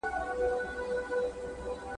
زما خو زړه دی